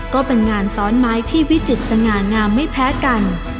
ก็เป็นงานซ้อนไม้ที่วิจิตรสง่างามไม่แพ้กัน